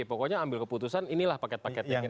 pokoknya ambil keputusan inilah paket paketnya